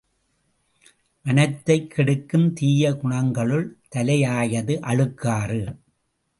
மனத்தைக் கெடுக்கும் தீய குணங்களுள் தலையாயது அழுக்காறு.